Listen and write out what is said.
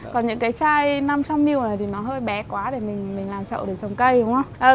còn những cái chai năm trăm linh ml này thì nó hơi bé quá để mình làm trậu để trồng cây đúng không ạ